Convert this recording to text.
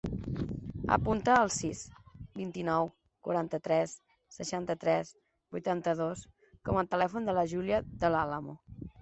Apunta el sis, vint-i-nou, quaranta-tres, seixanta-tres, vuitanta-dos com a telèfon de la Júlia Del Alamo.